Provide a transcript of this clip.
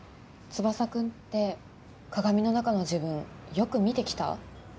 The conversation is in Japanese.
翼君って鏡の中の自分よく見てきた？